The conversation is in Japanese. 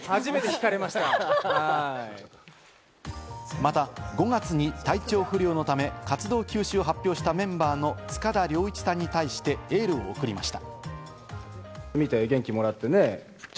また５月に体調不良のため活動休止を発表したメンバーの塚田僚一さんに対してエールを送りました。